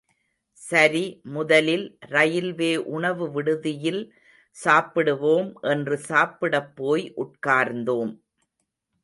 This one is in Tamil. சரி முதலில் ரயில்வே உணவு விடுதியில் சாப்பிடுவோம் என்று சாப்பிடப்போய் உட்கார்ந்தோம்.